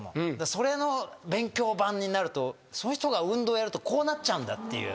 それの勉強版になるとそういう人が運動やるとこうなっちゃうんだっていう。